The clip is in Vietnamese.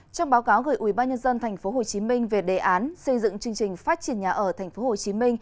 trong báo cáo gửi ubnd tp hcm về đề án xây dựng chương trình phát triển nhà ở tp hcm